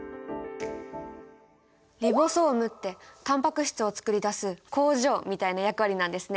リボソームってタンパク質を作り出す工場みたいな役割なんですね！